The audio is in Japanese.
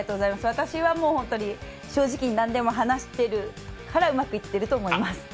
私はもう、正直に何でも話してるからうまくいってると思います。